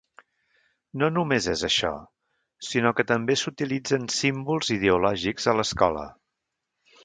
No només és això, sinó que també s’utilitzen símbols ideològics a l’escola.